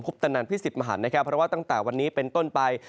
ปตนันพิสิทธิมหันนะครับเพราะว่าตั้งแต่วันนี้เป็นต้นไป